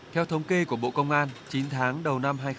theo thống kê của bộ công an chín tháng đầu năm hai nghìn hai mươi ba